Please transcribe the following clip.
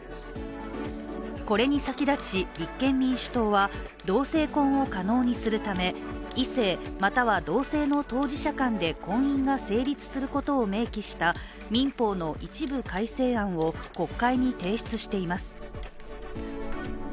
これに先立ち、立憲民主党は同性婚を可能にするため異性または同性の当事者間で婚姻が成立することを明記した民法の一部改正案を国会に提出しています。